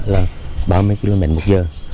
là ba mươi km một giờ